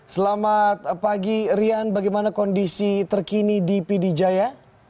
selamat pagi rian bagaimana kondisi terkini di pdjaya